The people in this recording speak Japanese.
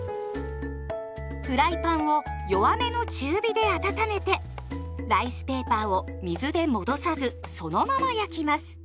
フライパンを弱めの中火で温めてライスペーパーを水で戻さずそのまま焼きます。